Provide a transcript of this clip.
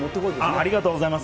ありがとうございます。